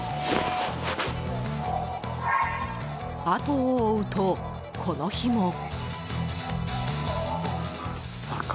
後を追うと、この日も。